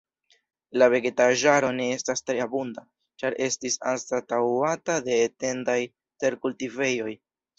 La vegetaĵaro ne estas tre abunda, ĉar estis anstataŭata de etendaj terkultivejoj.